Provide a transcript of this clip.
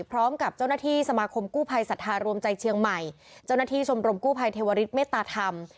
พร้อมกับเจ้าหน้าที่สมาคมกู้ภัยสัทธารวมใจเชียงใหม่เจ้าหน้าที่ชมรมกู้ภัยเทวริสเมตตาธรรม